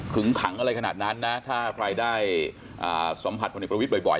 ขังอะไรขนาดนั้นนะถ้าใครได้สัมผัสพลเอกประวิทย์บ่อย